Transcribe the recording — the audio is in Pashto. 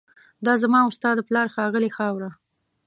دا زما او ستا د پلار ښاغلې خاوره